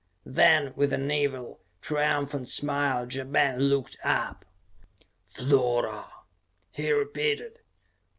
Then, with an evil, triumphant smile, Ja Ben looked up. "Flora," he repeated.